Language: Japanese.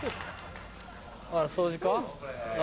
あら掃除か？